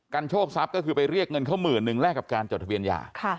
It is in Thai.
กันโชคทรัพย์ก็คือไปเรียกเงินขอ๑๐๐๐๐บาทแลกกับการจดทะเบียนยา